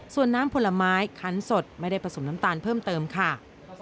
ส่วนน้ำผลไม้คันสดไม่ได้ผสมน้ำตาลเพิ่มเติมค่ะ